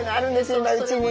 今うちに。